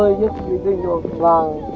đàm giảm viên thương chất